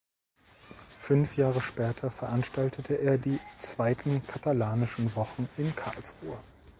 Fünf Jahre später veranstaltete er die zweiten „Katalanischen Wochen“ in Karlsruhe.